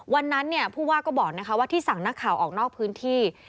วันนั้นผู้ว่าก็บอกว่าที่สั่งนักข่าวออกนอกพื้นที่